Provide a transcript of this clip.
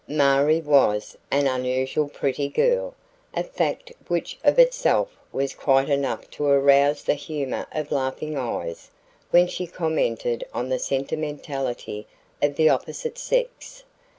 Marie was an unusually pretty girl, a fact which of itself was quite enough to arouse the humor of laughing eyes when she commented on the sentimentality of the opposite sex.